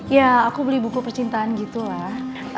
ya aku beli buku percintaan gitulah